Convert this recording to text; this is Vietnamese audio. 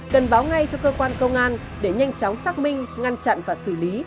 cần báo ngay cho cơ quan công an để nhanh chóng xác minh ngăn chặn và xử lý